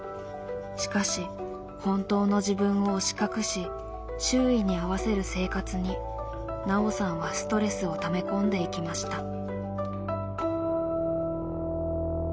しかし本当の自分を押し隠し周囲に合わせる生活にナオさんはストレスをため込んでいきました。